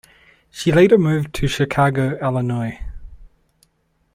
She later moved to Chicago, Illinois.